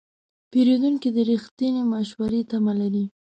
پیرودونکی د رښتینې مشورې تمه لري.